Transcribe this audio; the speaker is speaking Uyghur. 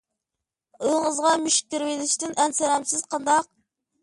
ئۇۋىڭىزغا مۈشۈك كىرىۋېلىشتىن ئەنسىرەمسىز قانداق؟